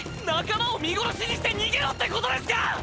仲間を見殺しにして逃げろってことですか